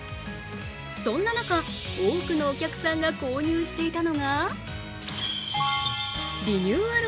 そんな中、多くのお客さんが購入していたのがリニューアル